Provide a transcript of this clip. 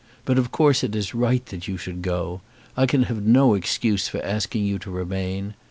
But of course it is right that you should go. I can have no excuse for asking you to remain.